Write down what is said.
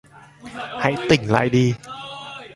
Hãy tỉnh lại đi